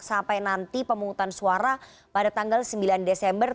sampai nanti pemungutan suara pada tanggal sembilan desember